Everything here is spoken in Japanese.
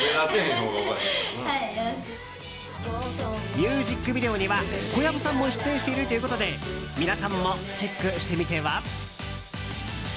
ミュージックビデオには小籔さんも出演しているということで皆さんもチェックしてみては？